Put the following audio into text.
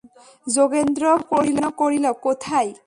যোগেন্দ্র প্রশ্ন করিল, কোথায়?